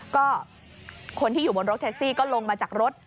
ก็คนที่อยู่บนรถแท็กซี่ก็ลงมาจากรถ